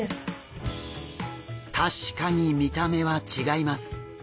確かに見た目は違います。